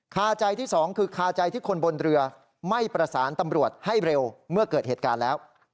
คาใจที่สองคือคาใจที่คนบนเรือไม่ประสานตำรวจให้เร็วเมื่อเกิดเหตุการณ์แล้ว